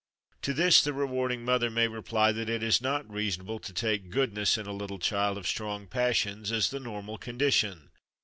To this the rewarding mother may reply that it is not reasonable to take "goodness" in a little child of strong passions as the normal condition.